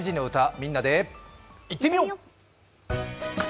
みんなでいってみよう！